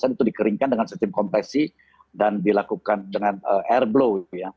itu dikeringkan dengan sistem kompresi dan dilakukan dengan air blow